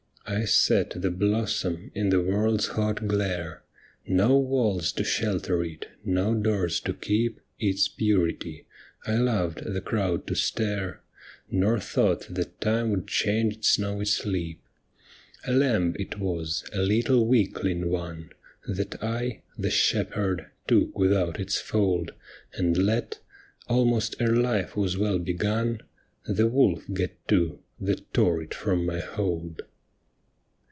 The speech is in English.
I set the blossom in the World's hot glare. No walls to shelter it, no doors to keep Its purity ; I loved the crowd to stare, Nor thought that time would change its snowy sleep. A lamb it was, a little weakling one, That I, the shepherd, took without its fold And let — almost ere hfe was well begun — The wolf get to, that tore it from my liold.